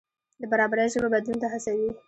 د برابرۍ ژبه بدلون ته هڅوي.